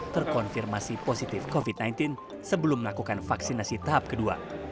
terkonfirmasi positif covid sembilan belas sebelum melakukan vaksinasi tahap kedua